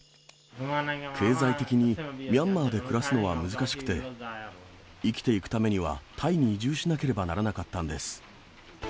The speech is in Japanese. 経済的にミャンマーで暮らすのは難しくて、生きていくためにはタイに移住しなければならなかったんです。